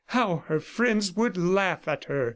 How her friends would laugh at her!